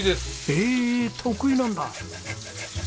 へえ得意なんだ。